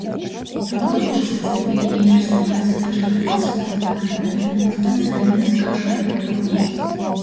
როგორ იყო შესაძლებელი ეარსება ასეთ აშკარად ცვლად, მაგრამ ერთმანეთთან ძალიან დაკავშირებულ ფორმებს.